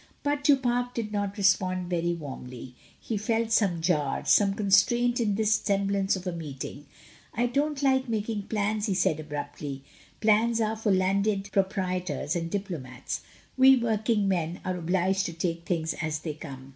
But Du Pare did not respond very warmly. He felt some jar, some constraint in this semblance of a meeting. "I don't like making plans," he said abruptly; "plans are for landed proprietors and diplomats; we working men are obliged to take things as they come."